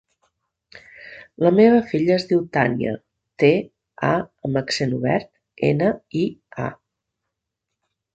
La meva filla es diu Tània: te, a amb accent obert, ena, i, a.